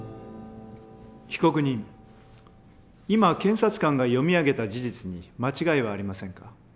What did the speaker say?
被告人今検察官が読み上げた事実に間違いはありませんか？